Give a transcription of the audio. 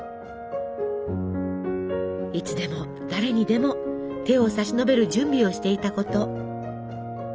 いつでも誰にでも手を差し伸べる準備をしていたこと。